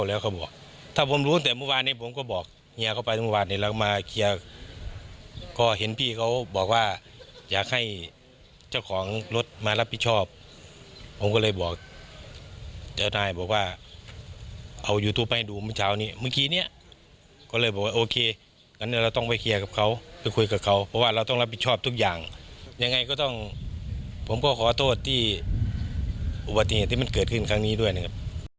และก็ขอโทษที่อุบัติเหตุที่มันเกิดขึ้นครั้งนี้ด้วยนะครับ